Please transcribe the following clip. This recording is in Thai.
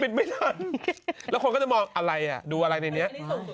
ปิดไม่ได้แล้วคนก็จะมองอะไรดูในเนี้ย